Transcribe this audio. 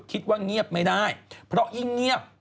เงียบไม่ได้เพราะยิ่งเงียบ